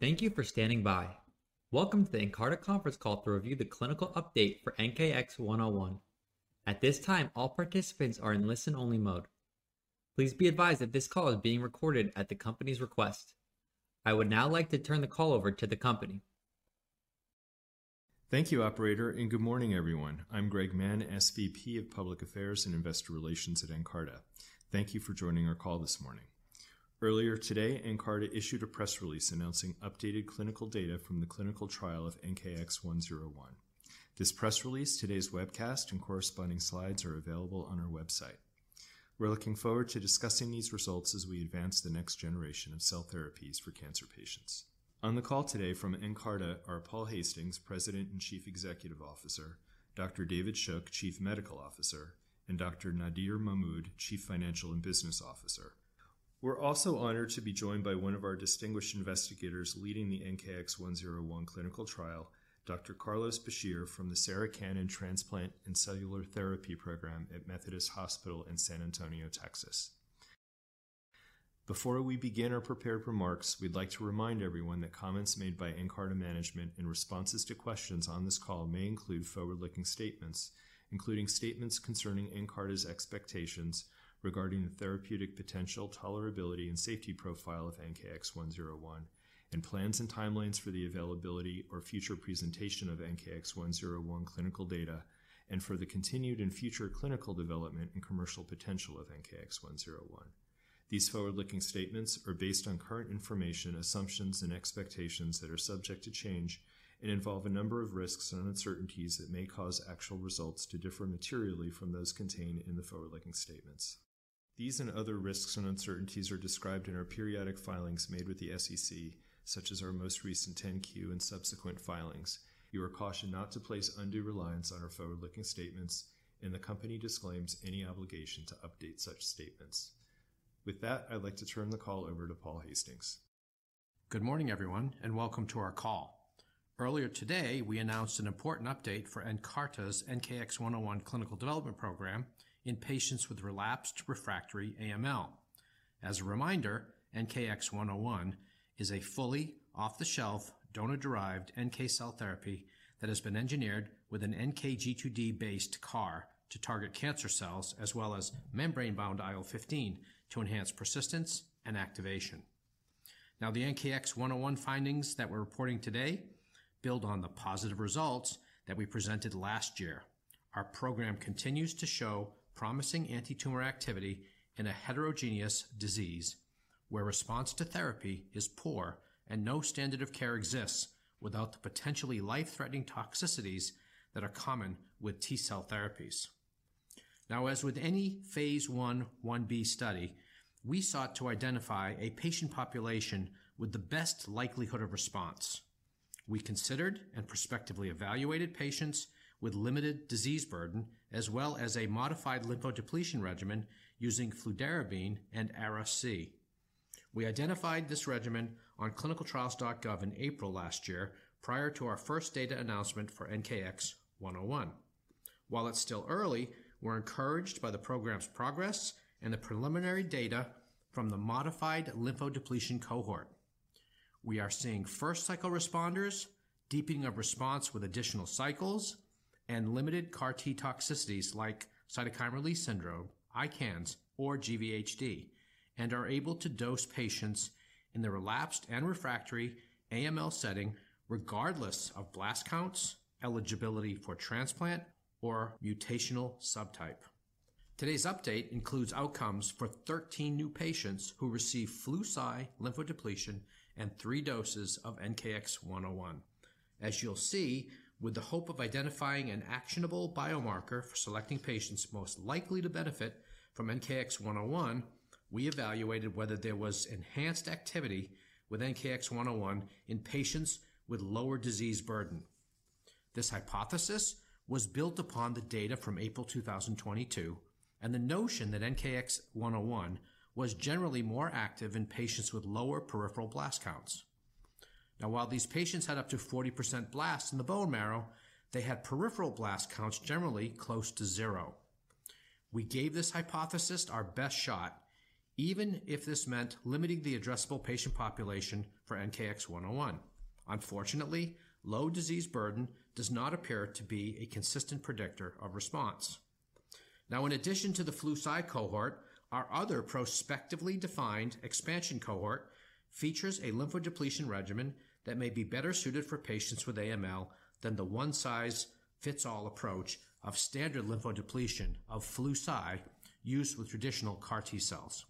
Thank you for standing by. Welcome to the Nkarta conference call to review the clinical update for NKX101. At this time, all participants are in listen-only mode. Please be advised that this call is being recorded at the company's request. I would now like to turn the call over to the company. Thank you, operator. Good morning, everyone. I'm Greg Mann, SVP of Public Affairs and Investor Relations at Nkarta. Thank you for joining our call this morning. Earlier today, Nkarta issued a press release announcing updated clinical data from the clinical trial of NKX101. This press release, today's webcast, and corresponding slides are available on our website. We're looking forward to discussing these results as we advance the next generation of cell therapies for cancer patients. On the call today from Nkarta are Paul Hastings, President and Chief Executive Officer, Dr. David Shook, Chief Medical Officer, and Dr. Nadir Mahmood, Chief Financial and Business Officer. We're also honored to be joined by one of our distinguished investigators leading the NKX101 clinical trial, Dr. Carlos Bachier from the Sarah Cannon Transplant & Cellular Therapy Program at Methodist Hospital in San Antonio, Texas. Before we begin our prepared remarks, we'd like to remind everyone that comments made by Nkarta management and responses to questions on this call may include forward-looking statements, including statements concerning Nkarta's expectations regarding the therapeutic potential, tolerability, and safety profile of NKX101, and plans and timelines for the availability or future presentation of NKX101 clinical data, and for the continued and future clinical development and commercial potential of NKX101. These forward-looking statements are based on current information, assumptions, and expectations that are subject to change and involve a number of risks and uncertainties that may cause actual results to differ materially from those contained in the forward-looking statements. These and other risks and uncertainties are described in our periodic filings made with the SEC, such as our most recent 10-Q and subsequent filings. You are cautioned not to place undue reliance on our forward-looking statements, and the company disclaims any obligation to update such statements. With that, I'd like to turn the call over to Paul Hastings. Good morning, everyone. Welcome to our call. Earlier today, we announced an important update for Nkarta's NKX101 clinical development program in patients with relapsed refractory AML. As a reminder, NKX101 is a fully off-the-shelf, donor-derived NK cell therapy that has been engineered with an NKG2D-based CAR to target cancer cells, as well as membrane-bound IL-15 to enhance persistence and activation. The NKX101 findings that we're reporting today build on the positive results that we presented last year. Our program continues to show promising antitumor activity in a heterogeneous disease, where response to therapy is poor and no standard of care exists without the potentially life-threatening toxicities that are common with T-cell therapies. As with any phase I, I-B study, we sought to identify a patient population with the best likelihood of response. We considered and prospectively evaluated patients with limited disease burden, as well as a modified lymphodepletion regimen using fludarabine and Ara-C. We identified this regimen on ClinicalTrials.gov in April last year, prior to our first data announcement for NKX101. While it's still early, we're encouraged by the program's progress and the preliminary data from the modified lymphodepletion cohort. We are seeing first-cycle responders, deepening of response with additional cycles, and limited CAR T toxicities like cytokine release syndrome, ICANS, or GvHD, and are able to dose patients in the relapsed and refractory AML setting, regardless of blast counts, eligibility for transplant, or mutational subtype. Today's update includes outcomes for 13 new patients who received Flu/Cy lymphodepletion and three doses of NKX101. As you'll see, with the hope of identifying an actionable biomarker for selecting patients most likely to benefit from NKX101, we evaluated whether there was enhanced activity with NKX101 in patients with lower disease burden. This hypothesis was built upon the data from April 2022 and the notion that NKX101 was generally more active in patients with lower peripheral blast counts. While these patients had up to 40% blasts in the bone marrow, they had peripheral blast counts generally close to zero. We gave this hypothesis our best shot, even if this meant limiting the addressable patient population for NKX101. Unfortunately, low disease burden does not appear to be a consistent predictor of response. In addition to the Flu/Cy cohort, our other prospectively defined expansion cohort features a lymphodepletion regimen that may be better suited for patients with AML than the one-size-fits-all approach of standard lymphodepletion of Flu/Cy used with traditional CAR T cells.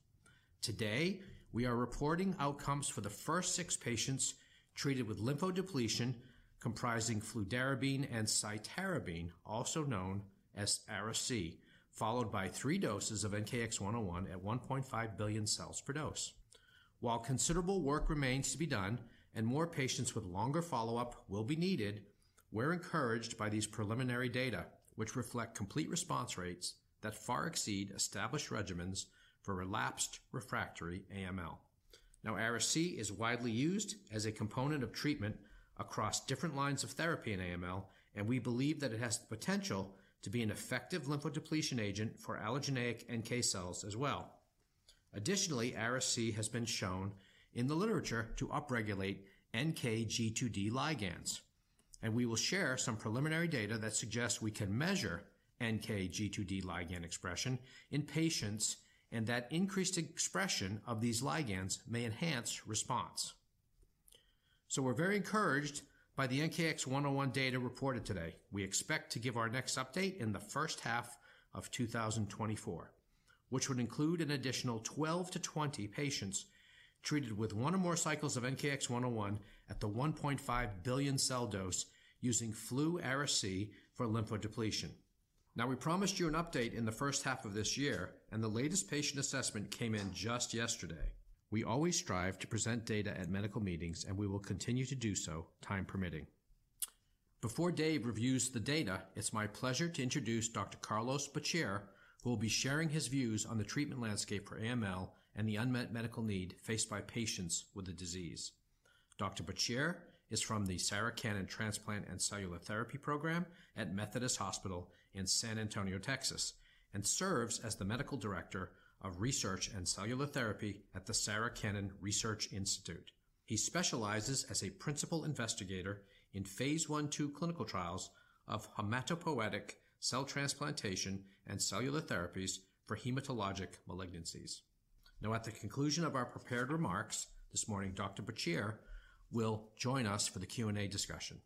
Today, we are reporting outcomes for the first six patients treated with lymphodepletion, comprising fludarabine and cytarabine, also known as Ara-C, followed by three doses of NKX101 at 1.5 billion cells per dose. While considerable work remains to be done and more patients with longer follow-up will be needed, we're encouraged by these preliminary data, which reflect complete response rates that far exceed established regimens for relapsed refractory AML. Ara-C is widely used as a component of treatment across different lines of therapy in AML, and we believe that it has the potential to be an effective lymphodepletion agent for allogeneic NK cells as well. Additionally, Ara-C has been shown in the literature to upregulate NKG2D ligands, and we will share some preliminary data that suggests we can measure NKG2D ligand expression in patients, and that increased expression of these ligands may enhance response. We're very encouraged by the NKX101 data reported today. We expect to give our next update in the first half of 2024, which would include an additional 12 to 20 patients treated with one or more cycles of NKX101 at the 1.5 billion cell dose using Flu/Ara-C for lymphodepletion. We promised you an update in the first half of this year, and the latest patient assessment came in just yesterday. We always strive to present data at medical meetings, and we will continue to do so, time permitting. Before Dave reviews the data, it's my pleasure to introduce Dr. Carlos Bachier, who will be sharing his views on the treatment landscape for AML and the unmet medical need faced by patients with the disease. Dr. Bachier is from the Sarah Cannon Transplant and Cellular Therapy Program at Methodist Hospital in San Antonio, Texas, and serves as the Medical Director of Research and Cellular Therapy at the Sarah Cannon Research Institute. He specializes as a principal investigator in phase I/II clinical trials of hematopoietic cell transplantation and cellular therapies for hematologic malignancies. At the conclusion of our prepared remarks this morning, Dr. Bachier will join us for the Q&A discussion.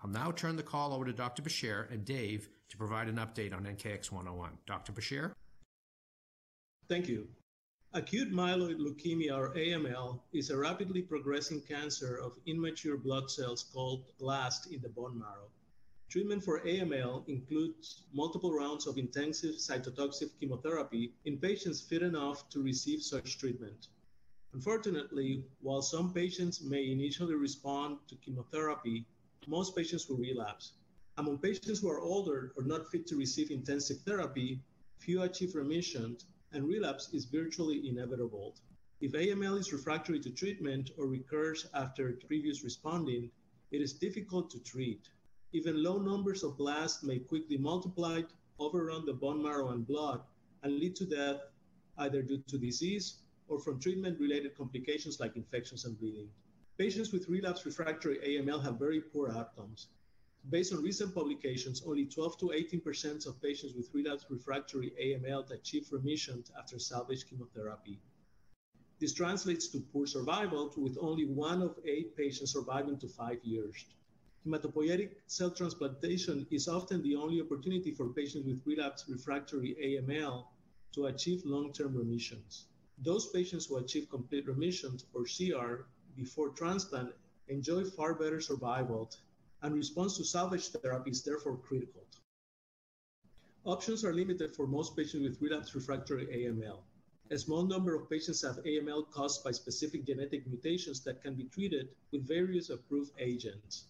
I'll now turn the call over to Dr. Bachier and Dave to provide an update on NKX101. Dr. Bachier? Thank you. Acute myeloid leukemia, or AML, is a rapidly progressing cancer of immature blood cells called blast in the bone marrow. Treatment for AML includes multiple rounds of intensive cytotoxic chemotherapy in patients fit enough to receive such treatment. Unfortunately, while some patients may initially respond to chemotherapy, most patients will relapse. Among patients who are older or not fit to receive intensive therapy, few achieve remission, and relapse is virtually inevitable. If AML is refractory to treatment or recurs after previously responding, it is difficult to treat. Even low numbers of blasts may quickly multiply, overrun the bone marrow and blood, and lead to death, either due to disease or from treatment-related complications like infections and bleeding. Patients with relapsed/refractory AML have very poor outcomes. Based on recent publications, only 12%-18% of patients with relapsed/refractory AML achieve remission after salvage chemotherapy. This translates to poor survival, with only one of eight patients surviving to five years. Hematopoietic cell transplantation is often the only opportunity for patients with relapsed/refractory AML to achieve long-term remissions. Those patients who achieve complete remission, or CR, before transplant enjoy far better survival. Response to salvage therapy is therefore critical. Options are limited for most patients with relapsed/refractory AML. A small number of patients have AML caused by specific genetic mutations that can be treated with various approved agents.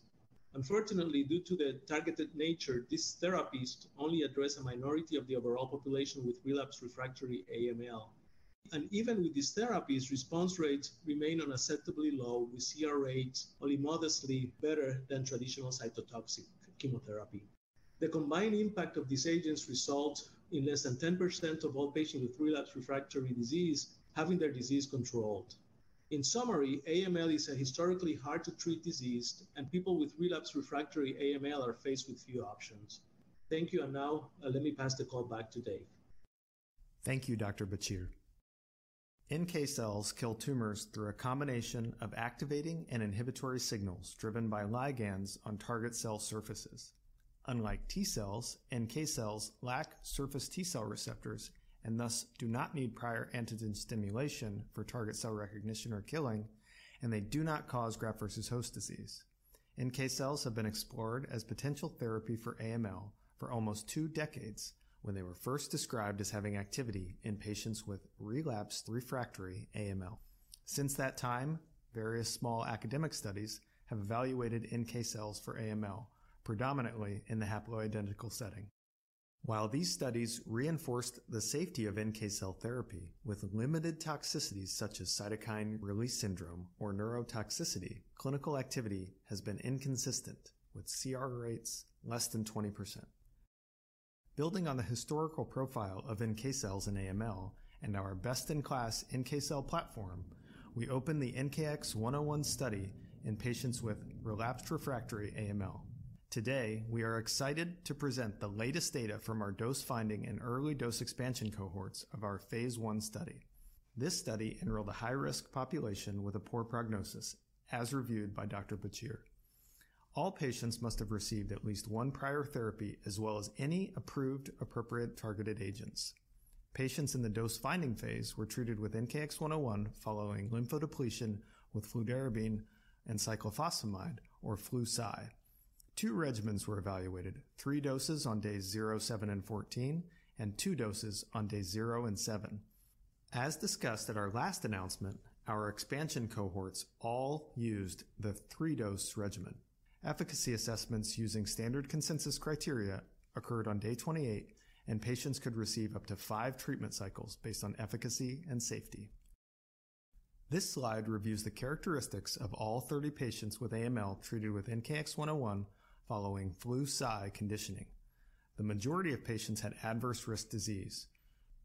Unfortunately, due to the targeted nature, these therapies only address a minority of the overall population with relapsed/refractory AML. Even with these therapies, response rates remain unacceptably low, with CR rates only modestly better than traditional cytotoxic chemotherapy. The combined impact of these agents results in less than 10% of all patients with relapsed/refractory disease having their disease controlled. In summary, AML is a historically hard-to-treat disease, and people with relapsed/refractory AML are faced with few options. Thank you, and now, let me pass the call back to Dave. Thank you, Dr. Bachier. NK cells kill tumors through a combination of activating and inhibitory signals driven by ligands on target cell surfaces. Unlike T cells, NK cells lack surface T cell receptors and thus do not need prior antigen stimulation for target cell recognition or killing, and they do not cause graft versus host disease. NK cells have been explored as potential therapy for AML for almost two decades, when they were first described as having activity in patients with relapsed/refractory AML. Since that time, various small academic studies have evaluated NK cells for AML, predominantly in the haploidentical setting. While these studies reinforced the safety of NK cell therapy with limited toxicities such as cytokine release syndrome or neurotoxicity, clinical activity has been inconsistent, with CR rates less than 20%. Building on the historical profile of NK cells in AML and our best-in-class NK cell platform, we opened the NKX101 study in patients with relapsed/refractory AML. Today, we are excited to present the latest data from our dose-finding and early dose expansion cohorts of our phase I study. This study enrolled a high-risk population with a poor prognosis, as reviewed by Dr. Bachier. All patients must have received at least 1 prior therapy, as well as any approved appropriate targeted agents. Patients in the dose-finding phase were treated with NKX101 following lymphodepletion with fludarabine and cyclophosphamide or Flu/Cy. 2 regimens were evaluated: three doses on days 0, 7, and 14, and two doses on days 0 and 7. As discussed at our last announcement, our expansion cohorts all used the 3-dose regimen. Efficacy assessments using standard consensus criteria occurred on day 28. Patients could receive up to five treatment cycles based on efficacy and safety. This slide reviews the characteristics of all 30 patients with AML treated with NKX101 following Flu/Cy conditioning. The majority of patients had adverse risk disease.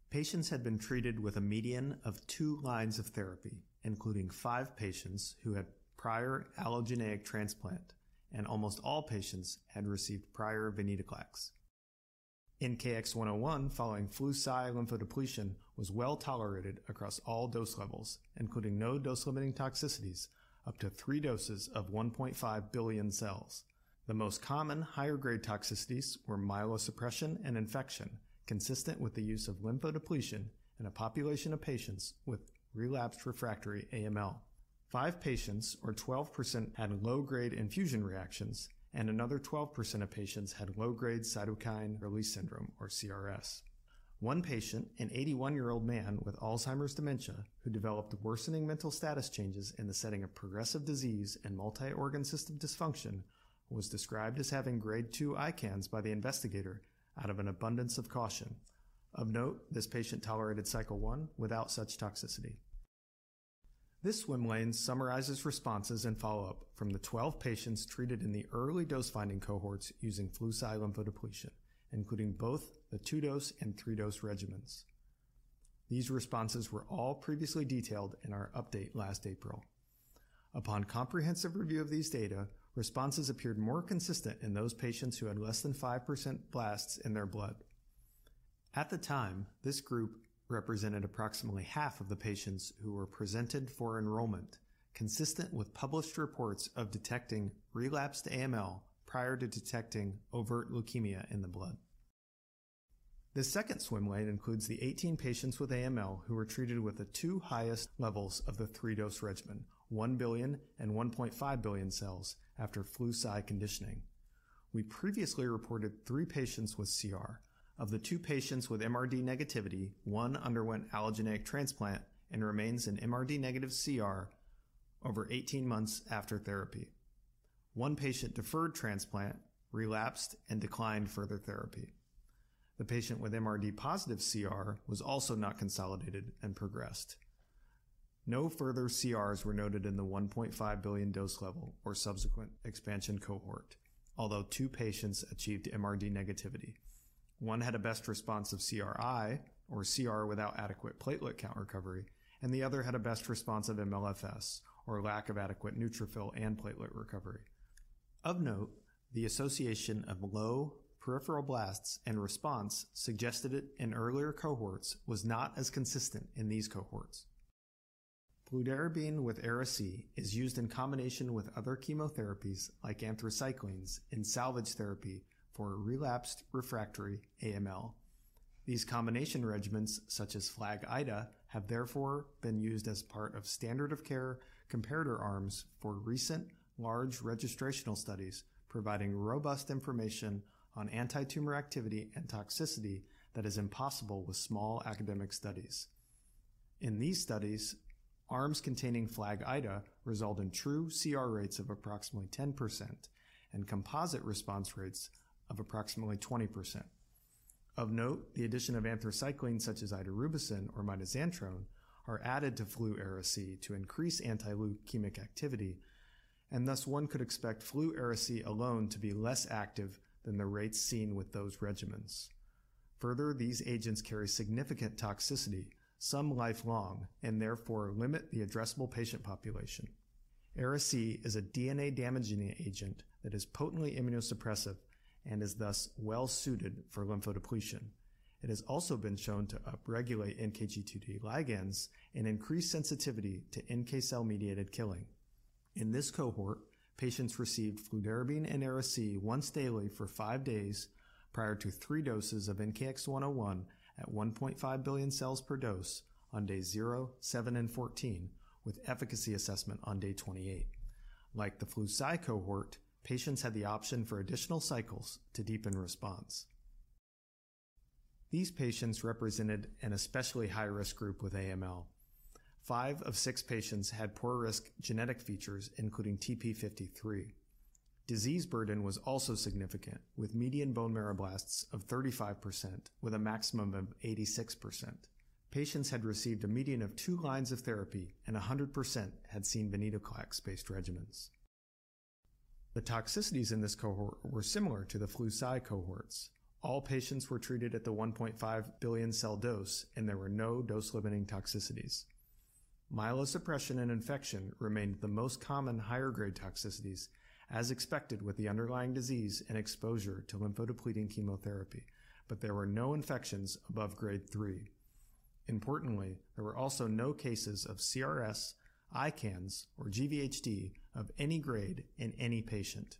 Patients had been treated with a median of two lines of therapy, including five patients who had prior allogeneic transplant. Almost all patients had received prior venetoclax. NKX101 following Flu/Cy lymphodepletion was well-tolerated across all dose levels, including no dose-limiting toxicities, up to three doses of 1.5 billion cells. The most common higher-grade toxicities were myelosuppression and infection, consistent with the use of lymphodepletion in a population of patients with relapsed refractory AML. Five patients, or 12%, had low-grade infusion reactions. Another 12% of patients had low-grade cytokine release syndrome, or CRS. One patient, an 81-year-old man with Alzheimer's dementia, who developed worsening mental status changes in the setting of progressive disease and multi-organ system dysfunction, was described as having Grade 2 ICANS by the investigator out of an abundance of caution. Of note, this patient tolerated cycle 1 without such toxicity. This swim lane summarizes responses and follow-up from the 12 patients treated in the early dose-finding cohorts using Flu/Cy lymphodepletion, including both the 2-dose and 3-dose regimens. These responses were all previously detailed in our update last April. Upon comprehensive review of these data, responses appeared more consistent in those patients who had less than 5% blasts in their blood. At the time, this group represented approximately half of the patients who were presented for enrollment, consistent with published reports of detecting relapsed AML prior to detecting overt leukemia in the blood. The second swim lane includes the 18 patients with AML who were treated with the two highest levels of the 3-dose regimen, 1 billion and 1.5 billion cells after Flu/Cy conditioning. We previously reported three patients with CR. Of the two patients with MRD negativity, one underwent allogeneic transplant and remains an MRD-negative CR over 18 months after therapy. One patient deferred transplant, relapsed, and declined further therapy. The patient with MRD positive CR was also not consolidated and progressed. No further CRs were noted in the 1.5 billion dose level or subsequent expansion cohort, although two patients achieved MRD negativity. One had a best response of CRI, or CR without adequate platelet count recovery, and the other had a best response of MLFS, or lack of adequate neutrophil and platelet recovery. Of note, the association of low peripheral blasts and response suggested it in earlier cohorts was not as consistent in these cohorts. Fludarabine with Ara-C is used in combination with other chemotherapies, like anthracyclines, in salvage therapy for relapsed refractory AML. These combination regimens, such as FLAG-Ida, have therefore been used as part of standard of care comparator arms for recent large registrational studies, providing robust information on antitumor activity and toxicity that is impossible with small academic studies. In these studies, arms containing FLAG-Ida result in true CR rates of approximately 10% and composite response rates of approximately 20%. Of note, the addition of anthracyclines, such as idarubicin or mitoxantrone, are added to Flu/Ara-C to increase anti-leukemic activity, and thus one could expect Flu/Ara-C alone to be less active than the rates seen with those regimens. Further, these agents carry significant toxicity, some lifelong, and therefore limit the addressable patient population. Ara-C is a DNA-damaging agent that is potently immunosuppressive and is thus well-suited for lymphodepletion. It has also been shown to upregulate NKG2D ligands and increase sensitivity to NK cell-mediated killing. In this cohort, patients received fludarabine and Ara-C once daily for five days prior to three doses of NKX101 at 1.5 billion cells per dose on day 0, 7, and 14, with efficacy assessment on day 28. Like the Flu/Cy cohort, patients had the option for additional cycles to deepen response. These patients represented an especially high-risk group with AML. Five of six patients had poor risk genetic features, including TP53. Disease burden was also significant, with median bone marrow blasts of 35%, with a maximum of 86%. Patients had received a median of two lines of therapy, and 100% had seen venetoclax-based regimens. The toxicities in this cohort were similar to the Flu/Cy cohorts. All patients were treated at the 1.5 billion cell dose, and there were no dose-limiting toxicities. Myelosuppression and infection remained the most common higher-grade toxicities, as expected with the underlying disease and exposure to lymphodepleting chemotherapy, but there were no infections above Grade 3. Importantly, there were also no cases of CRS, ICANS, or GvHD of any grade in any patient.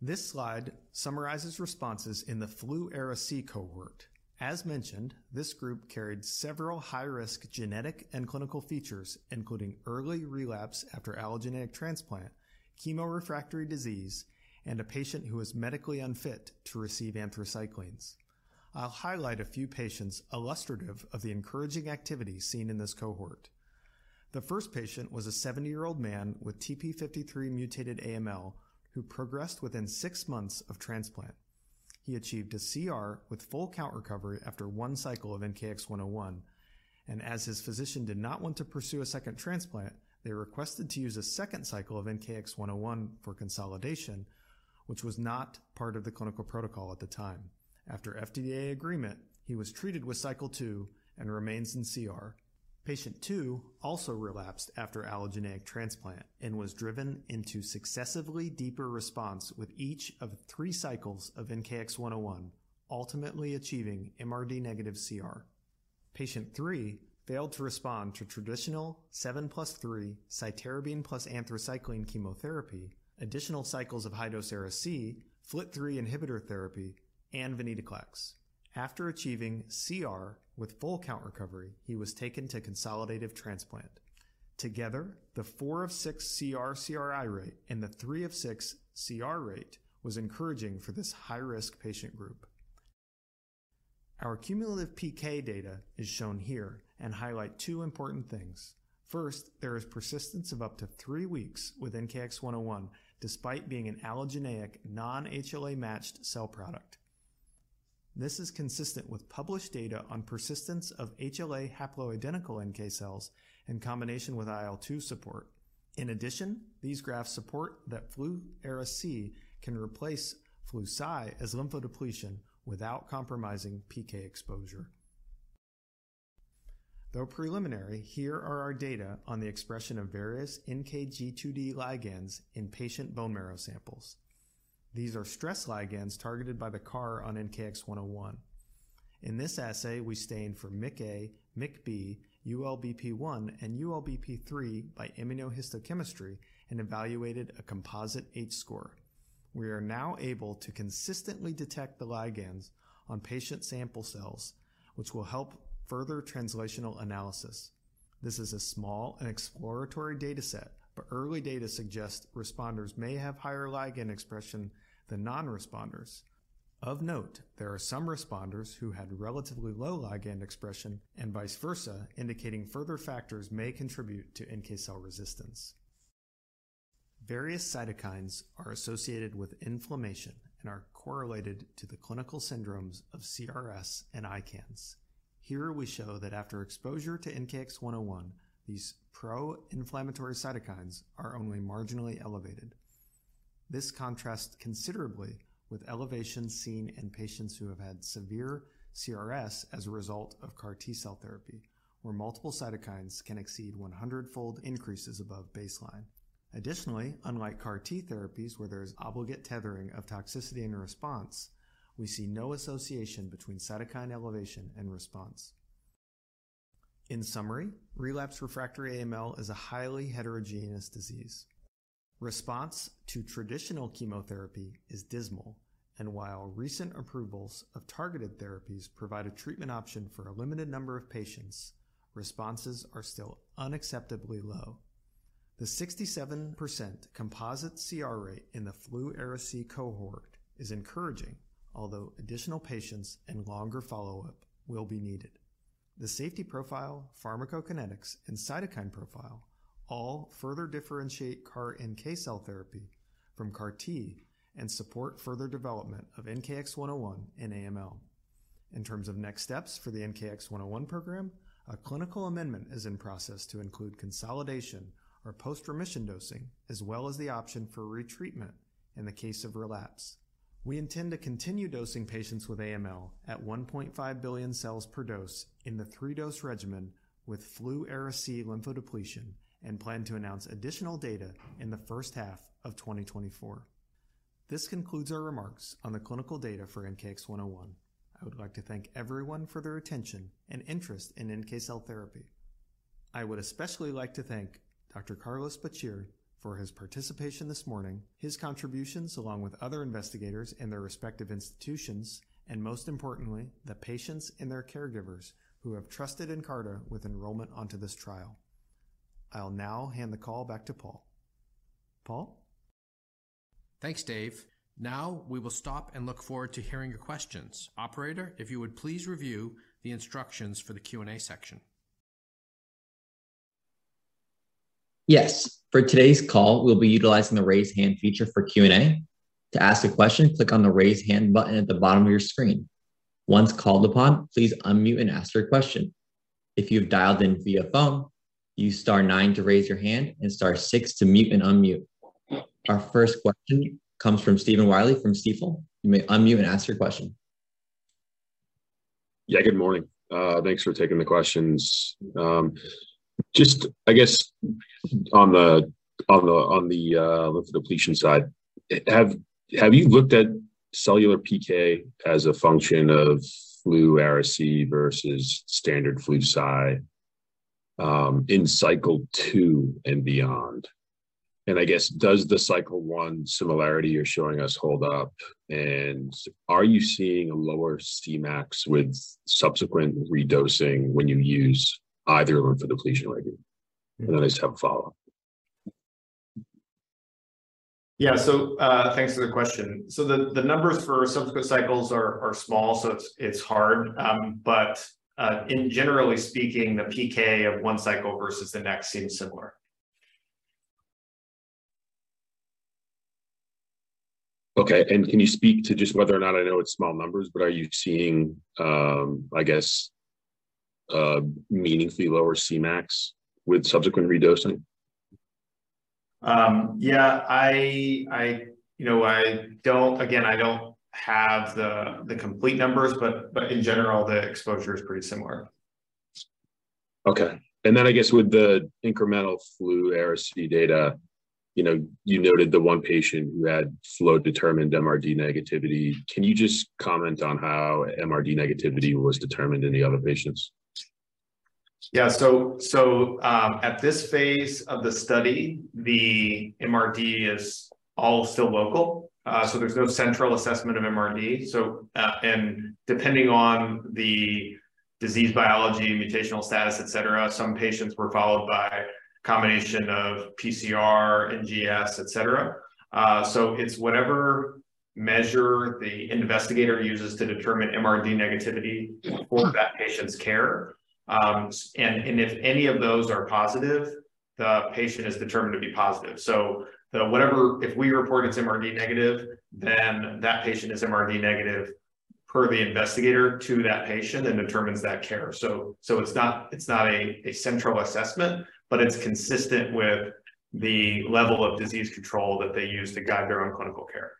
This slide summarizes responses in the Flu/Ara-C cohort. As mentioned, this group carried several high-risk genetic and clinical features, including early relapse after allogeneic transplant, chemo-refractory disease, and a patient who was medically unfit to receive anthracyclines. I'll highlight a few patients illustrative of the encouraging activity seen in this cohort. The first patient was a 70-year-old man with TP53 mutated AML, who progressed within six months of transplant. He achieved a CR with full count recovery after 1 cycle of NKX101, as his physician did not want to pursue a second transplant, they requested to use a second cycle of NKX101 for consolidation, which was not part of the clinical protocol at the time. After FDA agreement, he was treated with cycle 2 and remains in CR. Patient 2 also relapsed after allogeneic transplant and was driven into successively deeper response with each of three cycles of NKX101, ultimately achieving MRD-negative CR. Patient 3 failed to respond to traditional 7+3 cytarabine plus anthracycline chemotherapy, additional cycles of high-dose Ara-C, FLT3 inhibitor therapy, and venetoclax. After achieving CR with full count recovery, he was taken to consolidative transplant. Together, the four of six CR/CRI rate and the three of six CR rate was encouraging for this high-risk patient group. Our cumulative PK data is shown here and highlight two important things. First, there is persistence of up to three weeks with NKX101, despite being an allogeneic non-HLA-matched cell product. This is consistent with published data on persistence of HLA haploidentical NK cells in combination with IL-2 support. These graphs support that Flu/Ara-C can replace Flu/Cy as lymphodepletion without compromising PK exposure. Though preliminary, here are our data on the expression of various NKG2D ligands in patient bone marrow samples. These are stress ligands targeted by the CAR on NKX101. In this assay, we stained for MICA, MICB, ULBP1, and ULBP3 by immunohistochemistry and evaluated a composite H-score. We are now able to consistently detect the ligands on patient sample cells, which will help further translational analysis. This is a small and exploratory dataset, but early data suggests responders may have higher ligand expression than non-responders. Of note, there are some responders who had relatively low ligand expression and vice versa, indicating further factors may contribute to NK cell resistance. Various cytokines are associated with inflammation and are correlated to the clinical syndromes of CRS and ICANS. Here, we show that after exposure to NKX101, these pro-inflammatory cytokines are only marginally elevated. This contrasts considerably with elevations seen in patients who have had severe CRS as a result of CAR T cell therapy, where multiple cytokines can exceed 100-fold increases above baseline. Unlike CAR T therapies, where there is obligate tethering of toxicity and response, we see no association between cytokine elevation and response. In summary, relapse refractory AML is a highly heterogeneous disease. Response to traditional chemotherapy is dismal, and while recent approvals of targeted therapies provide a treatment option for a limited number of patients, responses are still unacceptably low. The 67% composite CR rate in the Flu/Ara-C cohort is encouraging, although additional patients and longer follow-up will be needed. The safety profile, pharmacokinetics, and cytokine profile all further differentiate CAR NK cell therapy from CAR T and support further development of NKX101 in AML. In terms of next steps for the NKX101 program, a clinical amendment is in process to include consolidation or post-remission dosing, as well as the option for retreatment in the case of relapse. We intend to continue dosing patients with AML at 1.5 billion cells per dose in the three-dose regimen with Flu/Ara-C lymphodepletion, and plan to announce additional data in the first half of 2024. This concludes our remarks on the clinical data for NKX101. I would like to thank everyone for their attention and interest in NK cell therapy. I would especially like to thank Dr. Carlos Bachier for his participation this morning, his contributions, along with other investigators and their respective institutions, and most importantly, the patients and their caregivers who have trusted in Nkarta with enrollment onto this trial. I'll now hand the call back to Paul. Paul? Thanks, Dave. Now we will stop and look forward to hearing your questions. Operator, if you would please review the instructions for the Q&A section. Yes. For today's call, we'll be utilizing the Raise Hand feature for Q&A. To ask a question, click on the Raise Hand button at the bottom of your screen. Once called upon, please unmute and ask your question. If you've dialed in via phone, use star nine to raise your hand and star six to mute and unmute. Our first question comes from Stephen Willey from Stifel. You may unmute and ask your question. Good morning. Thanks for taking the questions. Just I guess on the lymphodepletion side, have you looked at cellular PK as a function of Flu/Ara-C versus standard Flu/Cy, in cycle 2 and beyond? I guess, does the cycle 1 similarity you're showing us hold up, and are you seeing a lower Cmax with subsequent redosing when you use either lymphodepletion regimen? Then I just have a follow-up. Yeah. Thanks for the question. The numbers for subsequent cycles are small, so it's hard. But, in generally speaking, the PK of one cycle versus the next seems similar. Okay, can you speak to just whether or not, I know it's small numbers, but are you seeing, I guess, meaningfully lower Cmax with subsequent re-dosing? Yeah, I, you know, I don't have the complete numbers, but in general, the exposure is pretty similar. Okay. I guess with the incremental Flu/Ara-C data, you know, you noted the one patient who had flow-determined MRD negativity. Can you just comment on how MRD negativity was determined in the other patients? At this phase of the study, the MRD is all still local, so there's no central assessment of MRD. And depending on the disease biology, mutational status, et cetera, some patients were followed by a combination of PCR, NGS, et cetera. It's whatever measure the investigator uses to determine MRD negativity for that patient's care. And if any of those are positive, the patient is determined to be positive. Whatever, if we report it's MRD negative, then that patient is MRD negative per the investigator to that patient and determines that care. It's not, it's not a central assessment, but it's consistent with the level of disease control that they use to guide their own clinical care.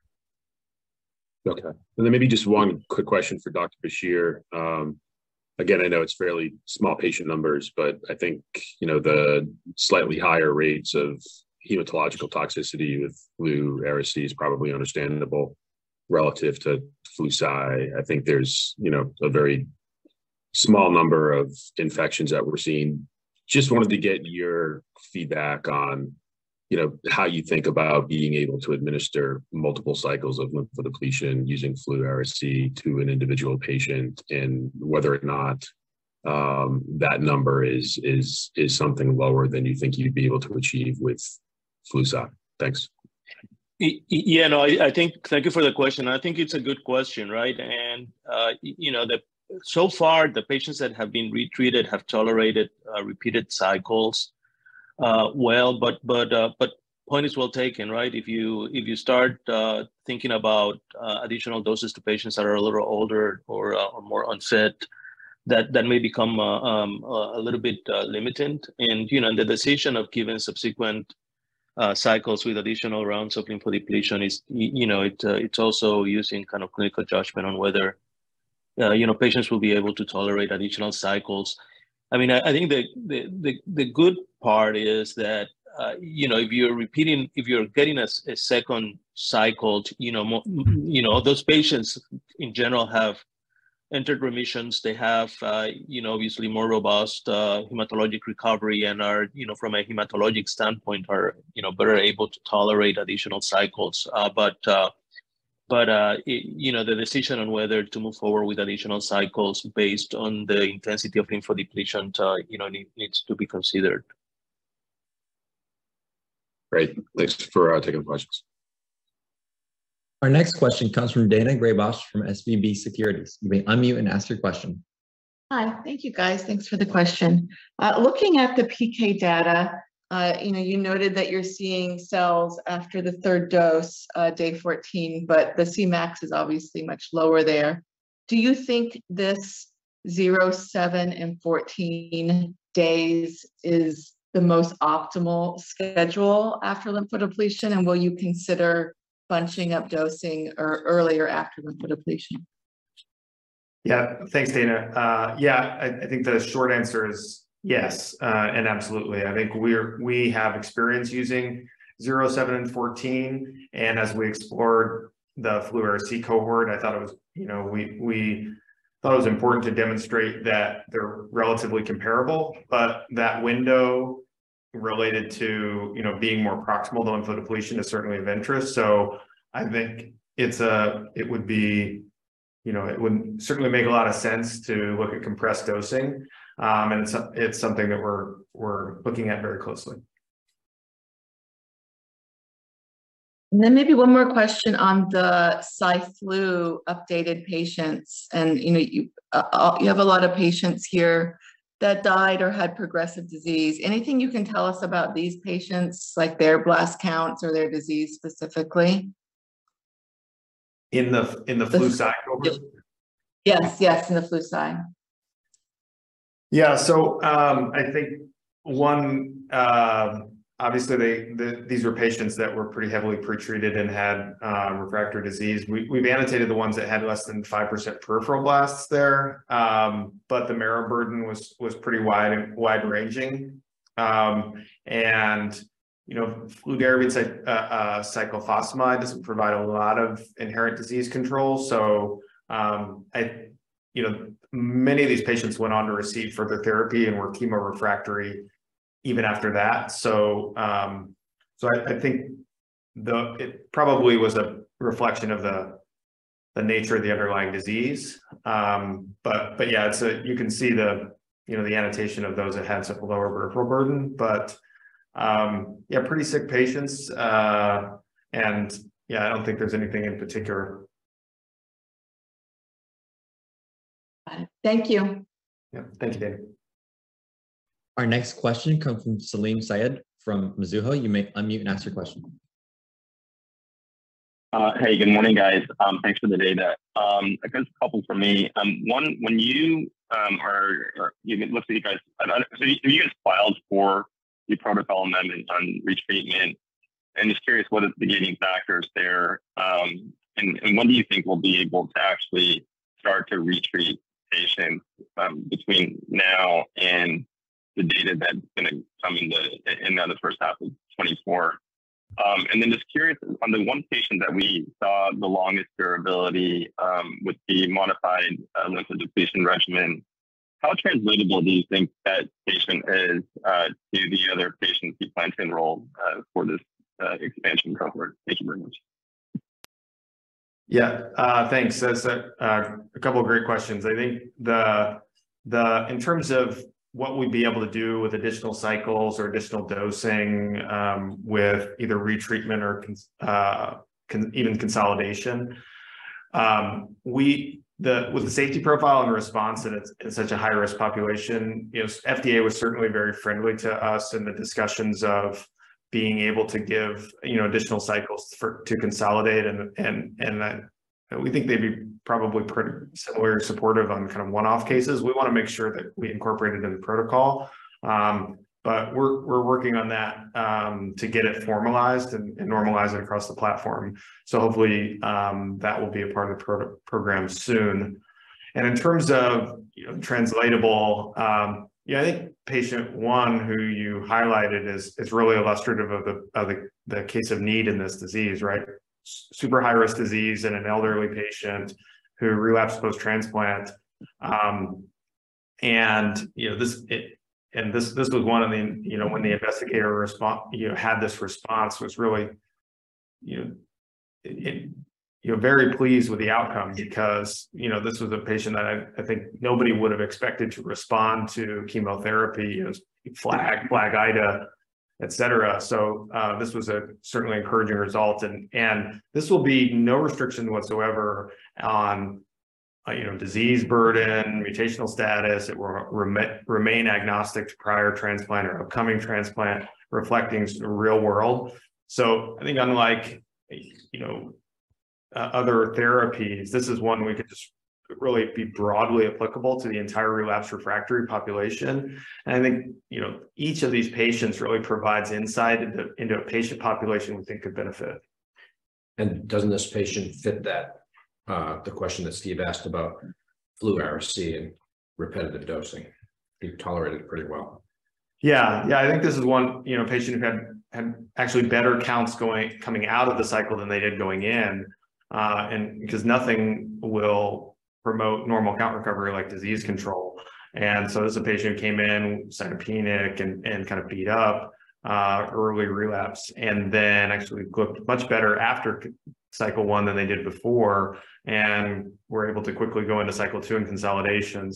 Okay. Then maybe just one quick question for Dr. Bachier. Again, I know it's fairly small patient numbers, but I think, you know, the slightly higher rates of hematological toxicity with Flu/Ara-C is probably understandable relative to Flu/Cy. I think there's, you know, a very small number of infections that we're seeing. Just wanted to get your feedback on, you know, how you think about being able to administer multiple cycles of lymphodepletion using Flu/Ara-C to an individual patient, and whether or not that number is something lower than you think you'd be able to achieve with Flu/Cy. Thanks. Yeah, no, I think. Thank you for the question. I think it's a good question, right? You know, so far, the patients that have been retreated have tolerated repeated cycles well, but point is well taken, right? If you start thinking about additional doses to patients that are a little older or more unset, that may become a little bit limited. You know, the decision of giving subsequent cycles with additional rounds of lymphodepletion is, you know, it's also using kind of clinical judgment on whether, you know, patients will be able to tolerate additional cycles. I mean, I think the good part is that, you know, if you're getting a second cycle, you know, those patients, in general, have entered remissions. They have, you know, obviously more robust hematologic recovery and are, you know, from a hematologic standpoint, are, you know, better able to tolerate additional cycles. But, you know, the decision on whether to move forward with additional cycles based on the intensity of lymphodepletion, you know, needs to be considered. Great. Thanks for taking the questions. Our next question comes from Daina Graybosch, from SVB Securities. You may unmute and ask your question. Hi. Thank you, guys. Thanks for the question. Looking at the PK data, you know, you noted that you're seeing cells after the third dose, day 14, but the Cmax is obviously much lower there. Do you think this 0, 7, and 14 days is the most optimal schedule after lymphodepletion? Will you consider bunching up dosing or earlier after lymphodepletion? Yeah. Thanks, Daina. Yeah, I think the short answer is yes, absolutely. I think we have experience using 0, 7, and 14, and as we explored the Flu/Ara-C cohort, I thought it was, you know, we thought it was important to demonstrate that they're relatively comparable. That window related to, you know, being more proximal to lymphodepletion is certainly of interest. I think it would be. You know, it would certainly make a lot of sense to look at compressed dosing. It's something that we're looking at very closely. Maybe one more question on the Cy/Flu updated patients, and, you know, you have a lot of patients here that died or had progressive disease. Anything you can tell us about these patients, like their blast counts or their disease specifically? In the Flu/Cy cohort? Yes, yes, in the Flu/Cy. Yeah. I think one, obviously, these were patients that were pretty heavily pretreated and had refractory disease. We've annotated the ones that had less than 5% peripheral blasts there, but the marrow burden was pretty wide-ranging. You know, fludarabine, cyclophosphamide, this would provide a lot of inherent disease control. You know, many of these patients went on to receive further therapy and were chemo-refractory even after that. I think it probably was a reflection of the nature of the underlying disease. Yeah, it's a... You can see the, you know, the annotation of those that had a lower peripheral burden, but, yeah, pretty sick patients, and, yeah, I don't think there's anything in particular. Thank you. Yeah, thank you, Daina. Our next question comes from Salim Syed from Mizuho. You may unmute and ask your question. Hey, good morning, guys. Thanks for the data. I guess a couple from me. One, when you looked at you guys, so have you guys filed for your protocol amendment on retreatment? Just curious, what are the guiding factors there, and when do you think we'll be able to actually start to retreat patients between now and the data that's gonna come in the first half of 2024? Just curious, on the one patient that we saw the longest durability with the modified lymphodepletion regimen, how translatable do you think that patient is to the other patients you plan to enroll for this expansion cohort? Thank you very much. Yeah, thanks. That's a couple of great questions. I think the in terms of what we'd be able to do with additional cycles or additional dosing with either retreatment or even consolidation, with the safety profile and the response in such a high-risk population, you know, FDA was certainly very friendly to us in the discussions of being able to give, you know, additional cycles for, to consolidate. Then we think they'd be probably pretty similar, supportive on kind of one-off cases. We wanna make sure that we incorporate it in the protocol. We're working on that to get it formalized and normalized across the platform. Hopefully, that will be a part of the program soon. In terms of, you know, translatable, I think patient one, who you highlighted, is really illustrative of the case of need in this disease, right? Super high-risk disease in an elderly patient who relapsed post-transplant. You know, this was one of the, you know, when the investigator response, you know, had this response, was really, you know, We were very pleased with the outcome because, you know, this was a patient that I think nobody would have expected to respond to chemotherapy. It was FLAG-Ida, et cetera. This was a certainly encouraging result, and this will be no restriction whatsoever on, you know, disease burden, mutational status. It remain agnostic to prior transplant or upcoming transplant, reflecting the real world. I think unlike, you know, other therapies, this is one we could just really be broadly applicable to the entire relapsed refractory population. I think, you know, each of these patients really provides insight into a patient population we think could benefit. Doesn't this patient fit that, the question that Steve asked about Flu/Ara-C and repetitive dosing? He tolerated it pretty well. Yeah. Yeah, I think this is one, you know, patient who had actually better counts going, coming out of the cycle than they did going in, because nothing will promote normal count recovery like disease control. This is a patient who came in cytopenic and kind of beat up early relapse, and then actually looked much better after cycle one than they did before, and we're able to quickly go into cycle two and consolidation.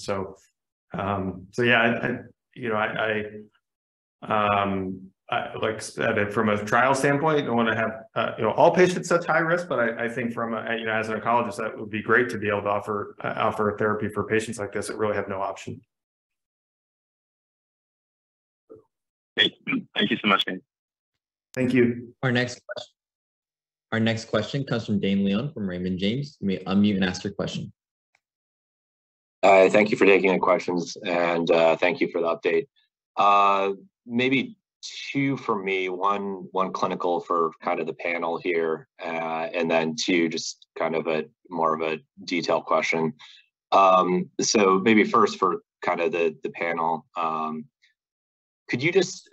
Yeah, I, you know, I, like I said, from a trial standpoint, I wanna have, you know, all patients at high risk, but I think from a, you know, as an oncologist, that would be great to be able to offer a therapy for patients like this that really have no option. Thank you. Thank you so much, man. Thank you. Our next question comes from Dane Leone, from Raymond James. You may unmute and ask your question. Thank you for taking the questions. Thank you for the update. Maybe two for me, one clinical for kind of the panel here, and then two, just kind of a more of a detailed question. Maybe first for kind of the panel, could you just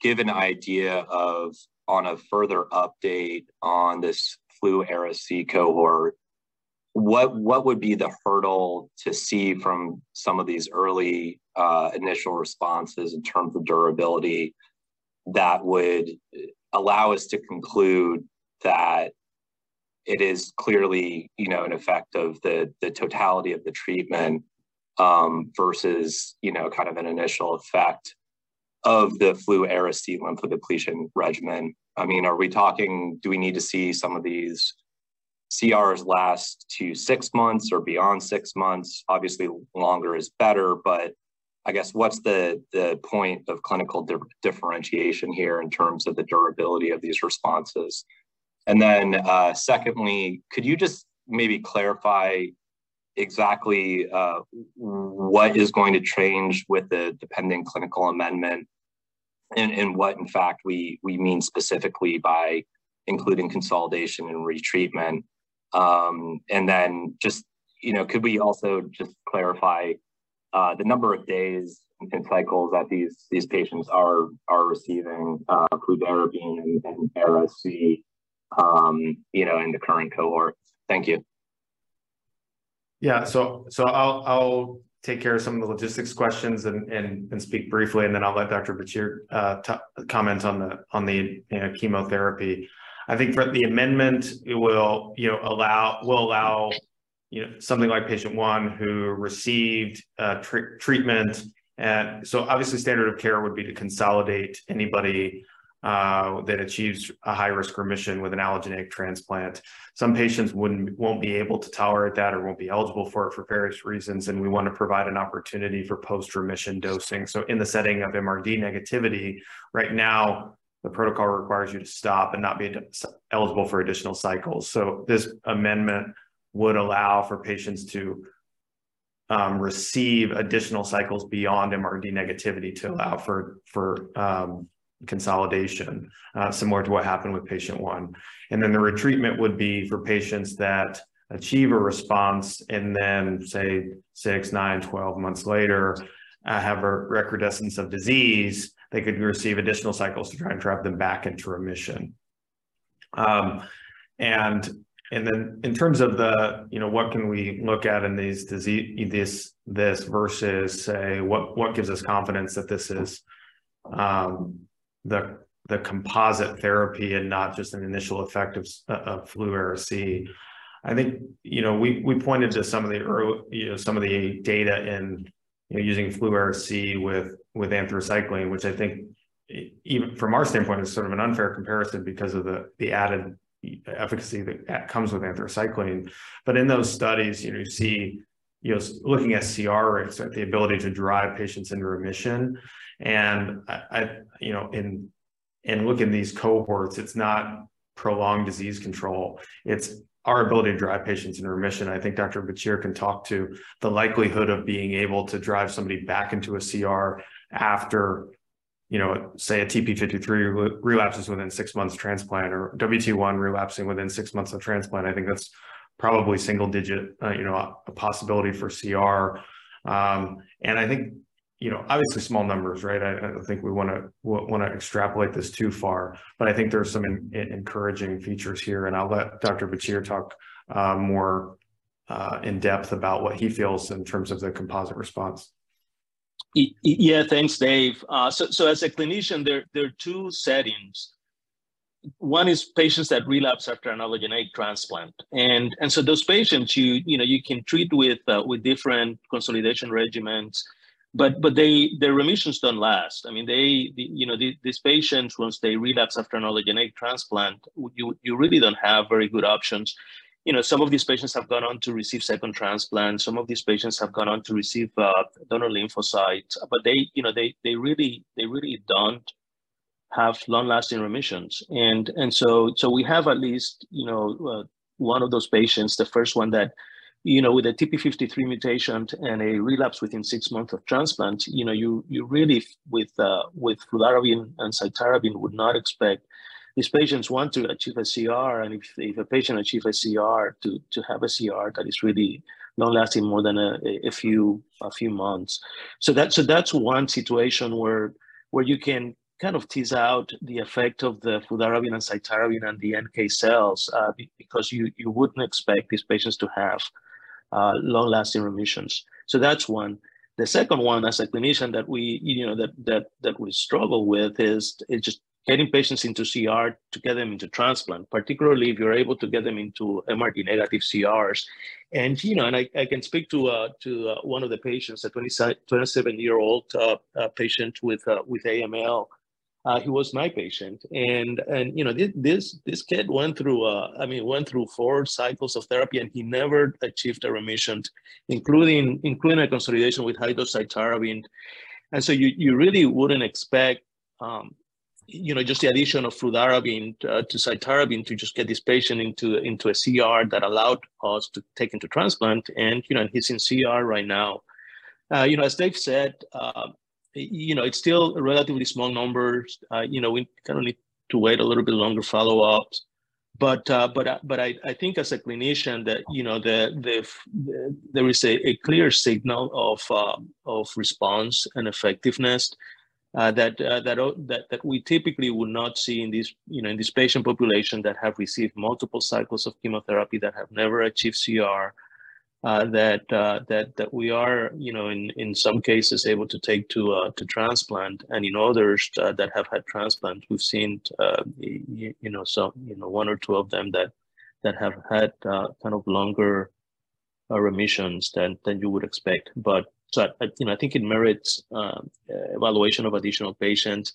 give an idea of, on a further update on this Flu/Ara-C cohort, what would be the hurdle to see from some of these early initial responses in terms of durability, that would allow us to conclude that it is clearly, you know, an effect of the totality of the treatment, versus, you know, kind of an initial effect of the Flu/Ara-C lymphodepletion regimen? I mean, do we need to see some of these CRs last to six months or beyond six months? Obviously, longer is better, but I guess what's the point of clinical differentiation here in terms of the durability of these responses? Secondly, could you just maybe clarify exactly what is going to change with the pending clinical amendment and what in fact, we mean specifically by including consolidation and retreatment? Just, you know, could we also just clarify the number of days and cycles that these patients are receiving fludarabine and Ara-C, you know, in the current cohort? Thank you. Yeah. So I'll take care of some of the logistics questions and speak briefly, and then I'll let Dr. Bachier comment on the, you know, chemotherapy. I think for the amendment, it will, you know, allow, you know, something like patient one who received treatment. Obviously standard of care would be to consolidate anybody that achieves a high-risk remission with an allogeneic transplant. Some patients won't be able to tolerate that or won't be eligible for it for various reasons, and we want to provide an opportunity for post-remission dosing. In the setting of MRD negativity, right now, the protocol requires you to stop and not be eligible for additional cycles. This amendment would allow for patients to receive additional cycles beyond MRD negativity to allow for consolidation, similar to what happened with patient one. The retreatment would be for patients that achieve a response and then, say, six, nine, 12 months later, have a recrudescence of disease, they could receive additional cycles to try and drive them back into remission. And then in terms of the, you know, what can we look at in this versus, say, what gives us confidence that this is the composite therapy and not just an initial effect of Flu/Ara-C? I think, you know, we pointed to some of the, you know, some of the data in, you know, using Flu/Ara-C with anthracycline, which I think even from our standpoint, is sort of an unfair comparison because of the added efficacy that comes with anthracycline. In those studies, you know, you see, you know, looking at CR rates, the ability to drive patients into remission. I, you know, in looking at these cohorts, it's not prolonged disease control, it's our ability to drive patients into remission. I think Dr. Bachier can talk to the likelihood of being able to drive somebody back into a CR after, you know, say, a TP53 relapses within six months of transplant or WT1 relapsing within six months of transplant. I think that's probably single digit, you know, a possibility for CR. I think, you know, obviously small numbers, right? I don't think we wanna extrapolate this too far, but I think there are some encouraging features here, and I'll let Dr. Bachier talk more in depth about what he feels in terms of the composite response. Yeah. Thanks, Dave. As a clinician, there are two settings. One is patients that relapse after an allogeneic transplant. Those patients, you know, you can treat with different consolidation regimens. They, their remissions don't last. I mean, you know, these patients, once they relapse after an allogeneic transplant, you really don't have very good options. You know, some of these patients have gone on to receive second transplant. Some of these patients have gone on to receive donor lymphocytes. They, you know, they really don't have long-lasting remissions. We have at least, you know, one of those patients, the first one that, you know, with a TP53 mutation and a relapse within six months of transplant, you know, you really, with fludarabine and cytarabine, would not expect these patients one, to achieve a CR, and if a patient achieve a CR, to have a CR that is really not lasting more than a few months. That's one situation where you can kind of tease out the effect of the fludarabine and cytarabine and the NK cells, because you wouldn't expect these patients to have long-lasting remissions. That's one. The second one, as a clinician, that we, you know, that we struggle with is just getting patients into CR to get them into transplant, particularly if you're able to get them into MRD negative CRs. You know, I can speak to one of the patients, a 27-year-old patient with AML. He was my patient, and, you know, this kid went through, I mean, went through 4 cycles of therapy, and he never achieved a remission, including a consolidation with high-dose cytarabine. So you really wouldn't expect, you know, just the addition of fludarabine to cytarabine to just get this patient into a CR that allowed us to take him to transplant and, you know, he's in CR right now. You know, as Dave said, you know, it's still relatively small numbers. You know, we kinda need to wait a little bit longer follow-ups. I think as a clinician, that, you know, there is a clear signal of response and effectiveness, that we typically would not see in this, you know, in this patient population that have received multiple cycles of chemotherapy, that have never achieved CR, that we are, you know, in some cases, able to take to transplant. In others, that have had transplants, we've seen, you know, some, you know, one or two of them that have had, kind of longer, remissions than you would expect. I, you know, I think it merits evaluation of additional patients.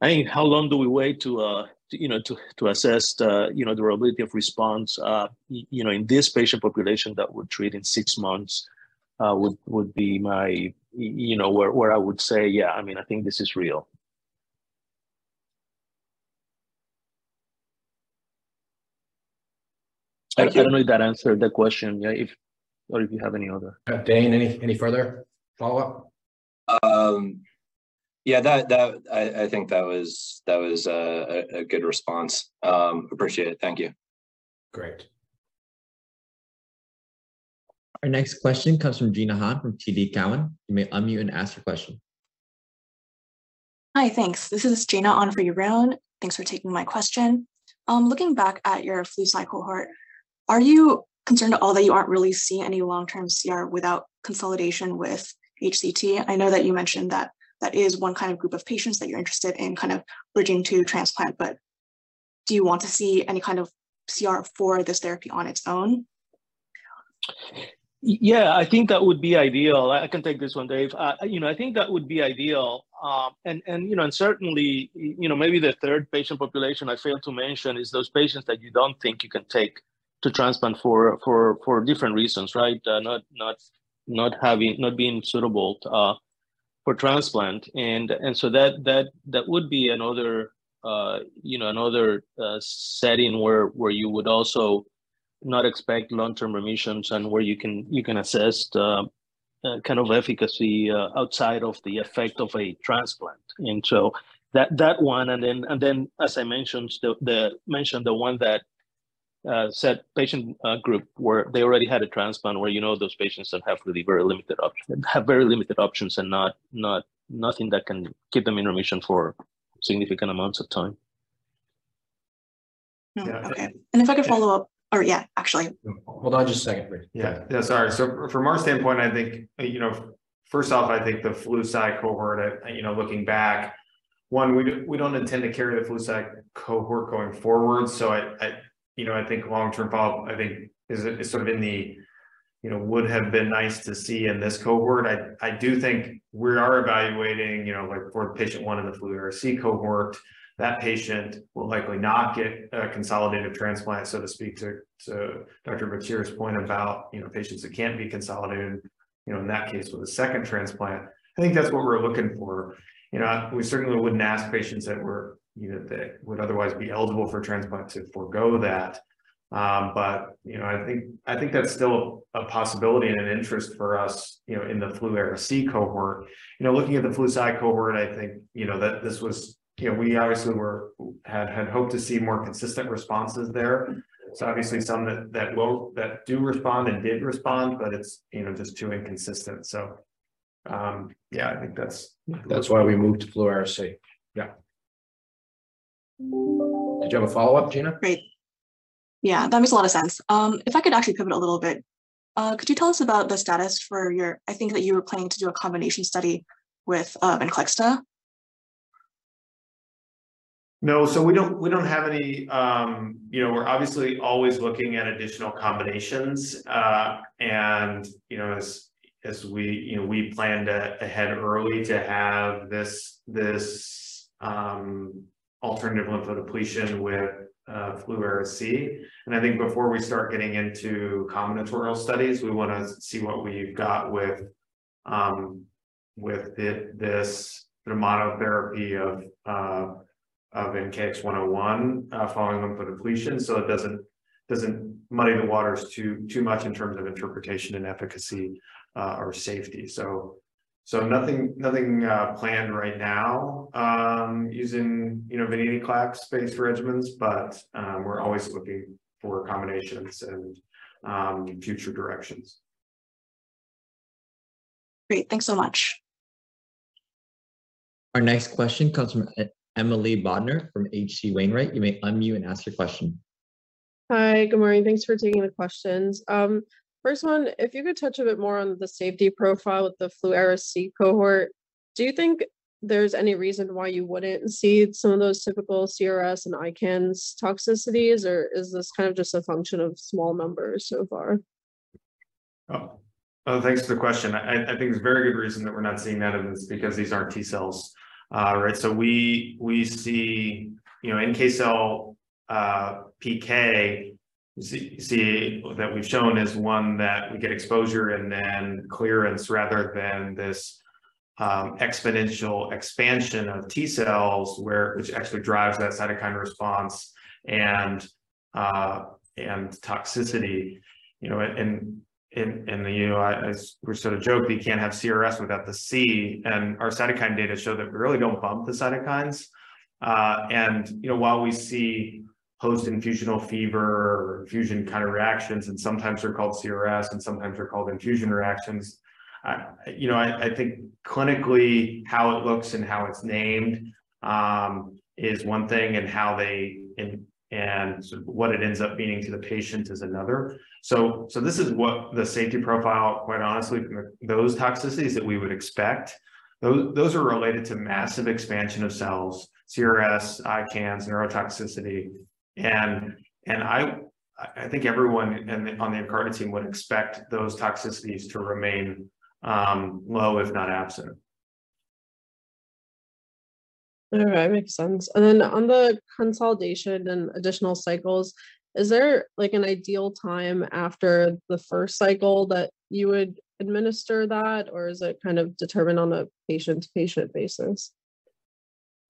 I think, how long do we wait to, you know, to assess the, you know, the reliability of response? You know, in this patient population that we're treating, six months, would be my, you know, where I would say, "Yeah, I mean, I think this is real." I don't know if that answered the question. Dane, any further follow-up? Yeah, that I think that was a good response. Appreciate it. Thank you. Great. Our next question comes from [Gena Ha] from TD Cowen. You may unmute and ask your question. Hi, thanks. This is [Gena on for Rian]. Thanks for taking my question. Looking back at your flu cycle cohort, are you concerned at all that you aren't really seeing any long-term CR without consolidation with HCT? I know that you mentioned that that is one kind of group of patients that you're interested in, kind of bridging to transplant. Do you want to see any kind of CR for this therapy on its own? Yeah, I think that would be ideal. I can take this one, Dave. You know, I think that would be ideal. You know, certainly, you know, maybe the third patient population I failed to mention is those patients that you don't think you can take to transplant for different reasons, right? Not having, not being suitable to for transplant. So that would be another, you know, another setting where you would also not expect long-term remissions and where you can assess the kind of efficacy outside of the effect of a transplant. That one, and then as I mentioned, the one that said patient group, where they already had a transplant, where you know those patients that have really very limited options and not nothing that can keep them in remission for significant amounts of time. Yeah. Okay. Yeah. If I could follow up or, yeah, actually. Hold on just a second, please. Yeah. Yeah, sorry. From our standpoint, I think, you know, first off, I think the Flu/Cy cohort, you know, looking back, one, we don't intend to carry the Flu/Cy cohort going forward. I, you know, I think long-term follow-up, I think is sort of in the, you know, would have been nice to see in this cohort. I do think we are evaluating, you know, like for patient one in the Flu/Ara-C cohort, that patient will likely not get a consolidated transplant, so to speak. To Dr. Bachier's point about, you know, patients that can't be consolidated, you know, in that case, with a second transplant, I think that's what we're looking for. You know, we certainly wouldn't ask patients that were, you know, that would otherwise be eligible for transplant to forgo that. You know, I think that's still a possibility and an interest for us, you know, in the Flu/Ara-C cohort. You know, looking at the Flu/Cy cohort, I think, you know, that this was. You know, we obviously had hoped to see more consistent responses there. Obviously, some that will, that do respond and did respond, but it's, you know, just too inconsistent. Yeah, I think that's. That's why we moved to Flu/Ara-C. Yeah. Did you have a follow-up, [Gena]? Great. Yeah, that makes a lot of sense. If I could actually pivot a little bit, could you tell us about the status for your... I think that you were planning to do a combination study with Venclexta? No. We don't have any. You know, we're obviously always looking at additional combinations. You know, as we, you know, we planned ahead early to have this alternative lymphodepletion with Flu/Ara-C. I think before we start getting into combinatorial studies, we wanna see what we've got with this, the monotherapy of NKX101 following lymphodepletion. It doesn't muddy the waters too much in terms of interpretation and efficacy or safety. Nothing planned right now, using, you know, venetoclax-based regimens, but we're always looking for combinations and future directions. Great. Thanks so much. Our next question comes from Emily Bodnar, from H.C. Wainwright. You may unmute and ask your question. Hi, good morning. Thanks for taking the questions. First one, if you could touch a bit more on the safety profile with the Flu/Ara-C cohort, do you think there's any reason why you wouldn't see some of those typical CRS and ICANS toxicities, or is this kind of just a function of small numbers so far? Thanks for the question. I think there's a very good reason that we're not seeing that, and it's because these aren't T-cells. Right? We see, you know, NK cell PK, see that we've shown is one that we get exposure and then clearance, rather than this exponential expansion of T-cells, which actually drives that cytokine response and toxicity. You know, as we sort of joke, we can't have CRS without the C, and our cytokine data show that we really don't bump the cytokines. You know, while we see post-infusional fever or infusion kind of reactions, and sometimes they're called CRS, and sometimes they're called infusion reactions, you know, I think clinically, how it looks and how it's named, is one thing, and how they sort of what it ends up meaning to the patient is another. This is what the safety profile, quite honestly, those toxicities that we would expect, those are related to massive expansion of cells, CRS, ICANS, neurotoxicity. I think everyone on the Nkarta team would expect those toxicities to remain low, if not absent. All right, makes sense. On the consolidation and additional cycles, is there, like, an ideal time after the first cycle that you would administer that, or is it kind of determined on a patient-to-patient basis?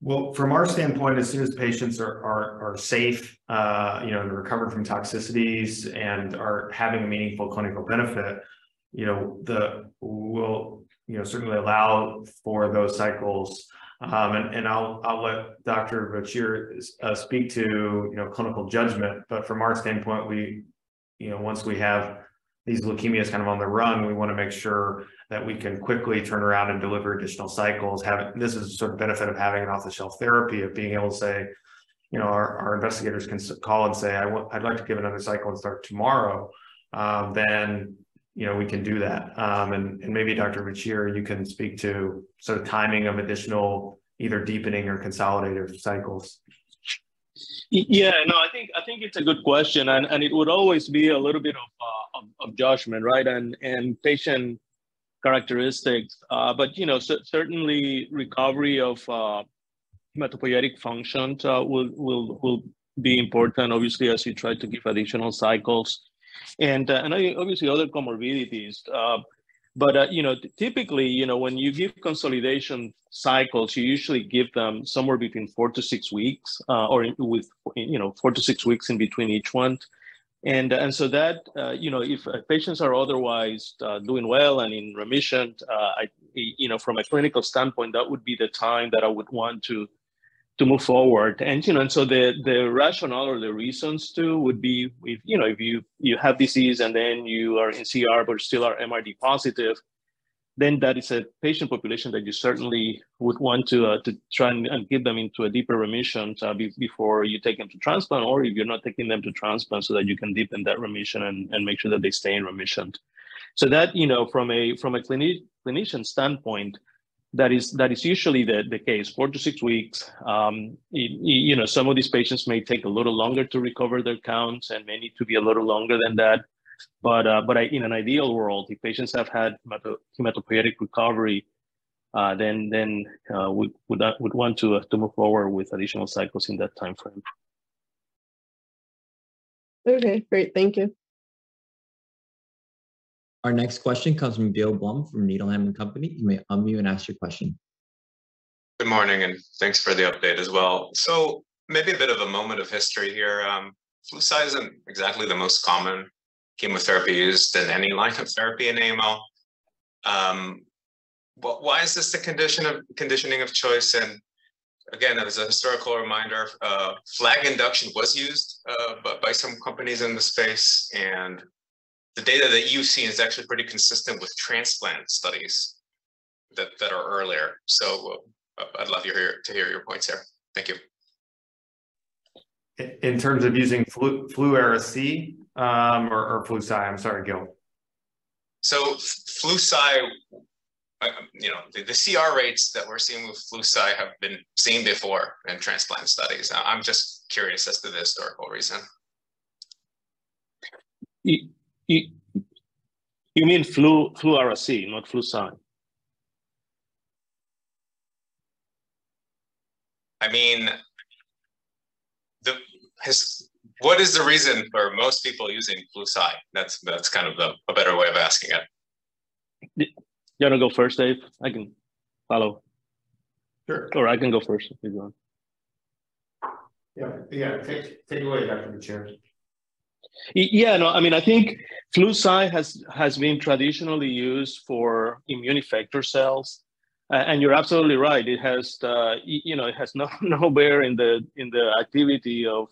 Well, from our standpoint, as soon as patients are safe, you know, they're recovered from toxicities and are having a meaningful clinical benefit, you know, we'll, you know, certainly allow for those cycles. I'll let Dr. Bachier speak to, you know, clinical judgment, but from our standpoint, we, you know, once we have these leukemias kind of on the run, we wanna make sure that we can quickly turn around and deliver additional cycles. This is a sort of benefit of having an off-the-shelf therapy, of being able to say, you know, our investigators can call and say, "I'd like to give another cycle and start tomorrow," than, you know, we can do that. Maybe Dr. Bachier, you can speak to sort of timing of additional either deepening or consolidator cycles. Yeah, no, I think, I think it's a good question, and it would always be a little bit of judgment, right? Patient characteristics. But, you know, certainly recovery of hematopoietic function will be important, obviously, as you try to give additional cycles and obviously other comorbidities. But, you know, typically, you know, when you give consolidation cycles, you usually give them somewhere between 4-6 weeks, or with, you know, 4-6 weeks in between each one. So that, you know, if patients are otherwise doing well and in remission, I, you know, from a clinical standpoint, that would be the time that I would want to move forward. You know, the rationale or the reasons to would be if, you know, if you have disease and then you are in CR but still are MRD positive, then that is a patient population that you certainly would want to try and get them into a deeper remission before you take them to transplant, or if you're not taking them to transplant, so that you can deepen that remission and make sure that they stay in remission. That, you know, from a clinician standpoint, that is usually the case, four to six weeks. You know, some of these patients may take a little longer to recover their counts and may need to be a little longer than that. In an ideal world, if patients have had hematopoietic recovery, then we would want to move forward with additional cycles in that timeframe. Okay, great. Thank you. Our next question comes from Gil Blum, from Needham & Company. You may unmute and ask your question. Good morning. Thanks for the update as well. Maybe a bit of a moment of history here. Flu/Cy isn't exactly the most common chemotherapy used in any line of therapy in AML. Why is this the conditioning of choice? Again, as a historical reminder, FLAG induction was used by some companies in the space, and the data that you've seen is actually pretty consistent with transplant studies that are earlier. I'd love to hear your points here. Thank you. In terms of using Flu/Ara-C, or Flu/Cy? I'm sorry, Gil. Flu/Cy, you know, the CR rates that we're seeing with Flu/Cy have been seen before in transplant studies. I'm just curious as to the historical reason. You mean Flu/Ara-C, not Flu/Cy? I mean, What is the reason for most people using Flu/Cy? That's kind of a better way of asking it. You want to go first, Dave? I can follow. Sure. I can go first if you want. Yeah. Take it away, Dr. Bachier. Yeah, no, I mean, I think Flu/Cy has been traditionally used for immune effector cells. You're absolutely right, it has, you know, it has no bear in the activity of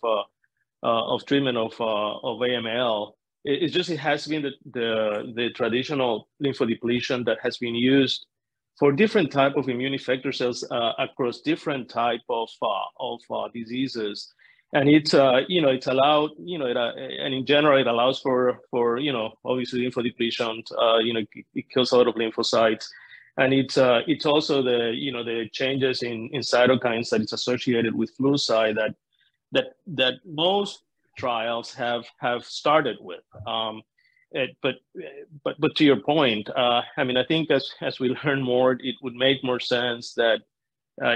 treatment of AML. It just it has been the traditional lymphodepletion that has been used for different type of immune effector cells across different type of diseases. It's, you know, it's allowed, you know, and in general, it allows for, you know, obviously lymphodepletion, you know, it kills a lot of lymphocytes. It's also the, you know, the changes in cytokines that is associated with Flu/Cy that most trials have started with. To your point, I mean, I think as we learn more, it would make more sense that,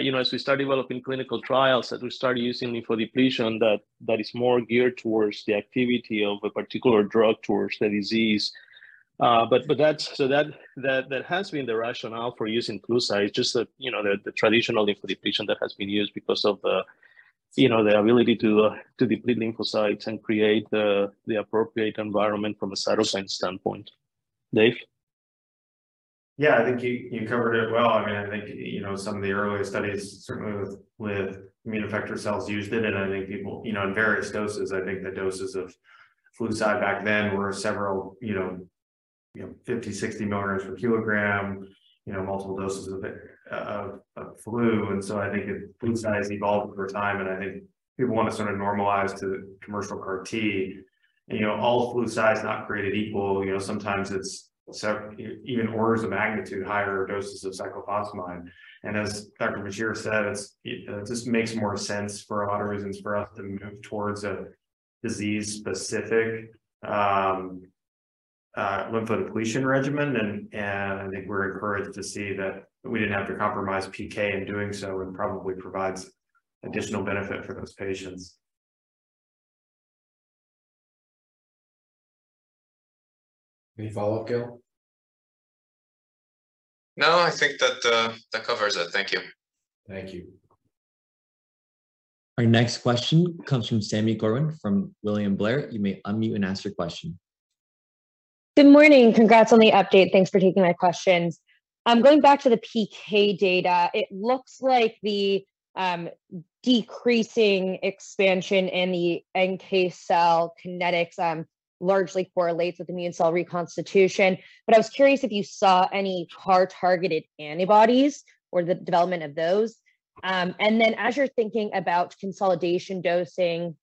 you know, as we start developing clinical trials, that we start using lymphodepletion, that is more geared towards the activity of a particular drug, towards the disease. That has been the rationale for using Flu/Cy, just the, you know, the traditional lymphodepletion that has been used because of the, you know, the ability to deplete lymphocytes and create the appropriate environment from a cytokine standpoint. Dave? Yeah, I think you covered it well. I mean, I think, you know, some of the earlier studies, certainly with immune effector cells, used it, and I think people. You know, in various doses, I think the doses of Flu/Cy back then were several, you know, 50 mg, 60 mg per kilogram, you know, multiple doses of flu. I think Flu/Cy has evolved over time, and I think people want to sort of normalize to commercial CAR T. You know, all Flu/Cy is not created equal. You know, sometimes it's even orders of magnitude, higher doses of cyclophosphamide. As Dr. Bachier said, it's, it just makes more sense for a lot of reasons for us to move towards a disease-specific lymphodepletion regimen. I think we're encouraged to see that we didn't have to compromise PK in doing so and probably provides additional benefit for those patients. Any follow-up, Gil? No, I think that covers it. Thank you. Thank you. Our next question comes from Sami Corwin from William Blair. You may unmute and ask your question. Good morning. Congrats on the update. Thanks for taking my questions. I'm going back to the PK data. It looks like the decreasing expansion in the NK cell kinetics largely correlates with immune cell reconstitution. I was curious if you saw any CAR-targeted antibodies or the development of those. As you're thinking about consolidation dosing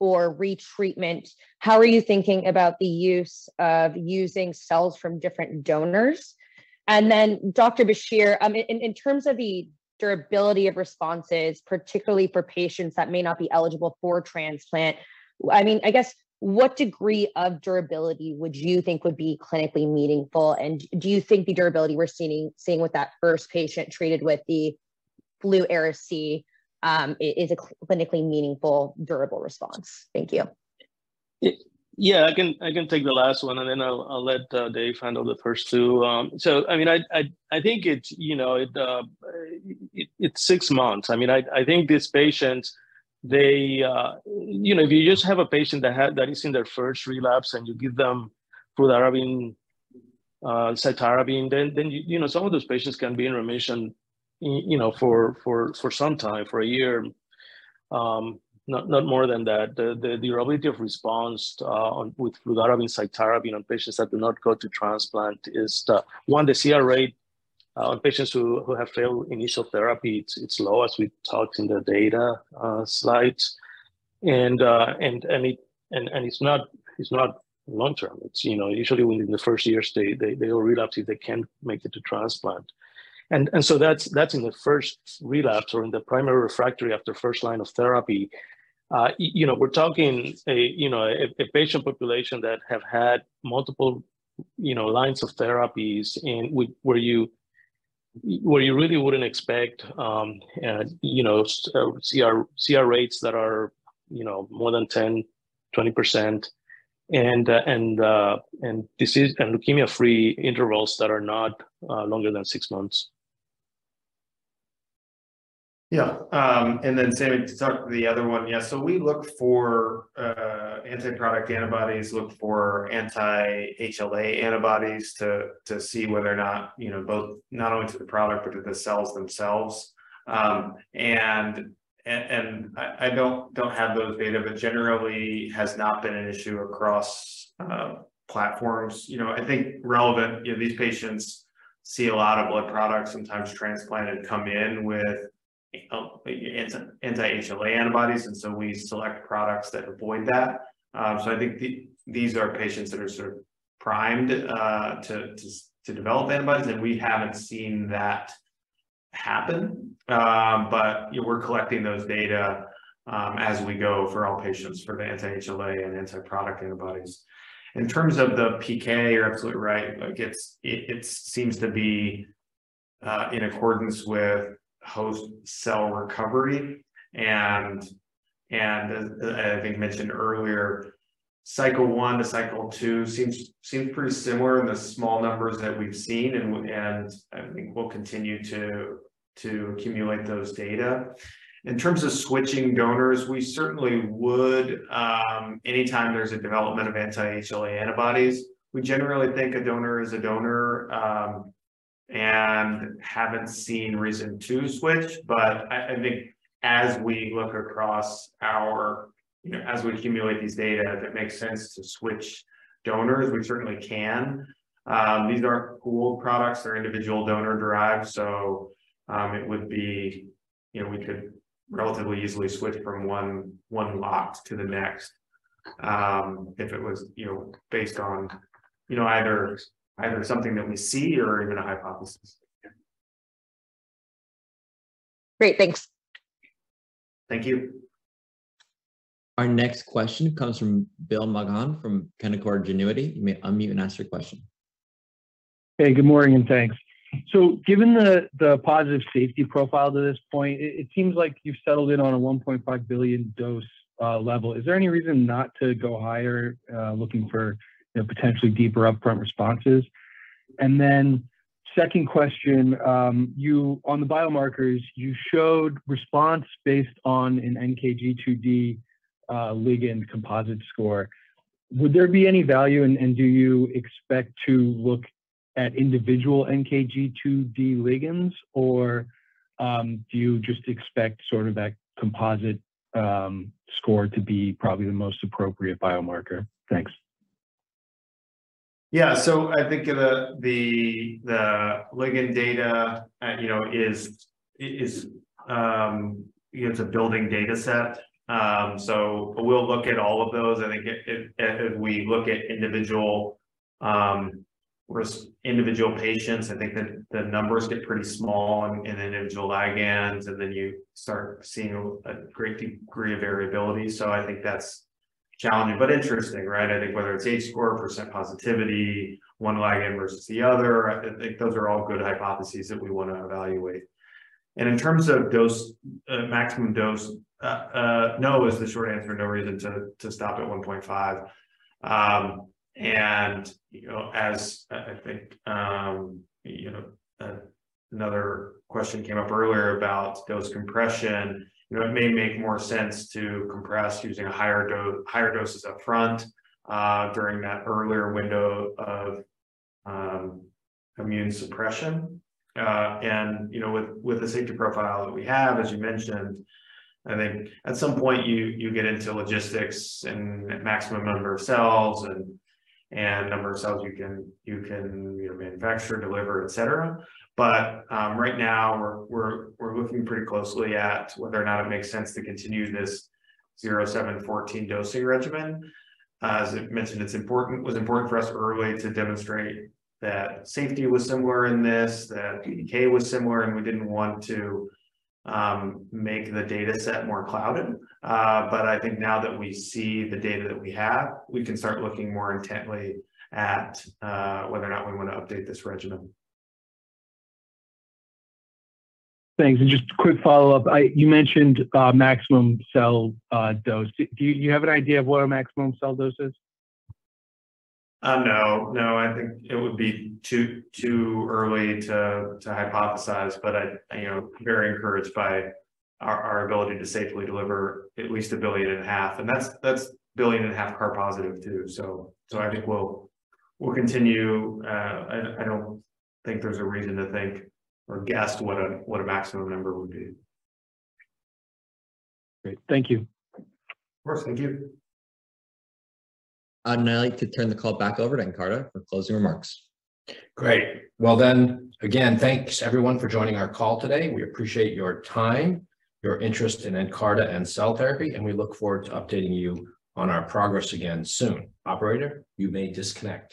or retreatment, how are you thinking about the use of using cells from different donors? Dr. Bachier, I mean, in terms of the durability of responses, particularly for patients that may not be eligible for transplant, I guess, what degree of durability would you think would be clinically meaningful? Do you think the durability we're seeing with that first patient treated with the Flu/Ara-C is a clinically meaningful, durable response? Thank you. Yeah, I can take the last one, then I'll let Dave handle the first two. I mean, I think it's, you know, it's six months. I mean, I think these patients, they... You know, if you just have a patient that is in their first relapse, and you give them fludarabine, cytarabine, then you know, some of those patients can be in remission you know, for some time, for a year, not more than that. The durability of response on with fludarabine, cytarabine on patients that do not go to transplant is 1, the CR rate on patients who have failed initial therapy, it's low, as we talked in the data slides. It's not long term. It's, you know, usually within the first year, they will relapse if they can't make it to transplant. That's in the first relapse or in the primary refractory after first line of therapy. You know, we're talking a, you know, a patient population that have had multiple, you know, lines of therapies and where you really wouldn't expect, you know, CR rates that are, you know, more than 10%, 20%, and disease- and leukemia-free intervals that are not longer than six months. Sami, to talk to the other one. We look for anti-product antibodies, look for anti-HLA antibodies to see whether or not, you know, both not only to the product, but to the cells themselves. I don't have those data, but generally has not been an issue across platforms. You know, I think relevant, you know, these patients see a lot of blood products sometimes transplanted, come in with anti-HLA antibodies, and so we select products that avoid that. I think these are patients that are sort of primed to develop antibodies, and we haven't seen that happen. We're collecting those data as we go for all patients for the anti-HLA and anti-product antibodies. In terms of the PK, you're absolutely right. It seems to be in accordance with host cell recovery. As I think mentioned earlier, cycle 1 to cycle 2 seems pretty similar in the small numbers that we've seen, and I think we'll continue to accumulate those data. In terms of switching donors, we certainly would anytime there's a development of anti-HLA antibodies. We generally think a donor is a donor and haven't seen reason to switch. I think as we look across our. You know, as we accumulate these data, if it makes sense to switch donors, we certainly can. These are pooled products. They're individual donor-derived, so, you know, we could relatively easily switch from one lot to the next, if it was, you know, based on, you know, either something that we see or even a hypothesis. Great, thanks. Thank you. Our next question comes from Bill Maughan from Canaccord Genuity. You may unmute and ask your question. Hey, good morning, and thanks. Given the positive safety profile to this point, it seems like you've settled in on a $1.5 billion dose level. Is there any reason not to go higher, looking for, you know, potentially deeper upfront responses? Second question, on the biomarkers, you showed response based on an NKG2D ligand composite score. Would there be any value, do you expect to look at individual NKG2D ligands, or do you just expect sort of that composite score to be probably the most appropriate biomarker? Yeah. I think the, the ligand data, you know, is, you know, it's a building data set. We'll look at all of those, and again, if we look at individual patients, I think that the numbers get pretty small in individual ligands, and then you start seeing a great degree of variability. I think that's challenging but interesting, right? I think whether it's H-score, % positivity, one ligand versus the other, I think those are all good hypotheses that we wanna evaluate. In terms of dose, maximum dose, no, is the short answer. No reason to stop at 1.5. You know, as I think, you know, another question came up earlier about dose compression. You know, it may make more sense to compress using higher doses upfront during that earlier window of immune suppression. You know, with the safety profile that we have, as you mentioned, I think at some point you get into logistics and maximum number of cells and number of cells you can, you know, manufacture, deliver, et cetera. Right now, we're looking pretty closely at whether or not it makes sense to continue this 0, 7, 14 dosing regimen. As I mentioned, it was important for us early to demonstrate that safety was similar in this, that PK was similar, and we didn't want to make the data set more clouded. I think now that we see the data that we have, we can start looking more intently at whether or not we want to update this regimen. Thanks. Just a quick follow-up. You mentioned maximum cell dose. Do you have an idea of what a maximum cell dose is? No. I think it would be too early to hypothesize, but I, you know, very encouraged by our ability to safely deliver at least 1.5 billion, and that's 1.5 billion CAR positive, too. I think we'll continue. I don't think there's a reason to think or guess what a maximum number would be. Great. Thank you. Of course. Thank you. I'd now like to turn the call back over to Nkarta for closing remarks. Great. Well, again, thanks, everyone, for joining our call today. We appreciate your time, your interest in Nkarta and cell therapy, and we look forward to updating you on our progress again soon. Operator, you may disconnect.